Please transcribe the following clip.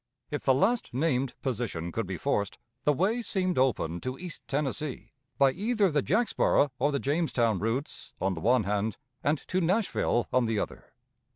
If the last named position could be forced, the way seemed open to East Tennessee, by either the Jacksboro or the Jamestown routes, on the one hand, and to Nashville on the other.